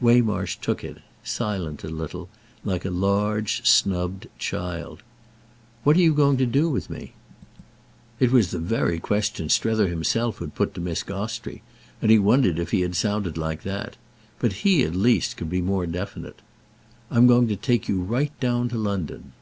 Waymarsh took it—silent a little—like a large snubbed child "What are you going to do with me?" It was the very question Strether himself had put to Miss Gostrey, and he wondered if he had sounded like that. But he at least could be more definite. "I'm going to take you right down to London."